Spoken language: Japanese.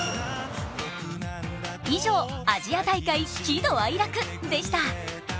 以上、アジア大会喜怒哀楽でした。